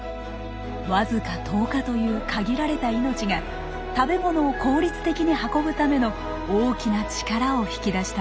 僅か１０日という限られた命が食べ物を効率的に運ぶための大きな力を引き出したんです。